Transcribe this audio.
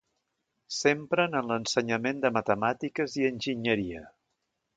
S'empren en l'ensenyament de matemàtiques i enginyeria.